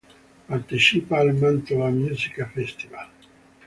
Partecipa al Mantova Musica Festival.